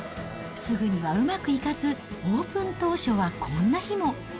すぐにはうまくいかず、オープン当初はこんな日も。